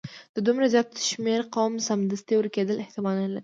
د دومره زیات شمیر قوم سمدستي ورکیدل احتمال نه لري.